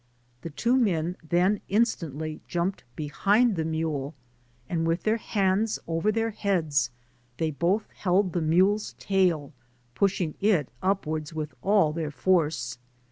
The two men then instantly jumped behind the mule, and with their hands over their heads they both held the mule's tail, pushing it upwards with all their force.